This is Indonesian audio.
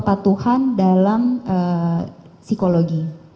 bentuk kepatuhan dalam psikologi